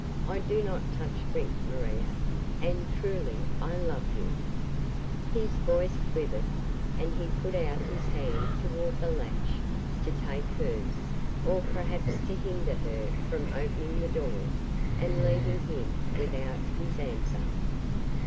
I do not touch drink, Maria, and truly I love you ..." His voice quivered, and he put out his hand toward the latch to take hers, or perhaps to hinder her from opening the door and leaving him without his answer.